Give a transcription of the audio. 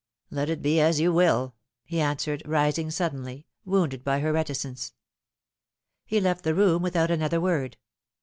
"Let it be as you will," he answered, rising suddenly, wounded by her reticence. He left the room without another word.